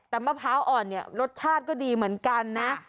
แต่มะพร้าวอ่อนเนี่ยรสชาติก็ดีเหมือนกันนะ